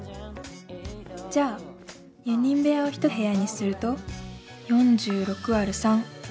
じゃあ４人部屋を１部屋にすると４６÷３。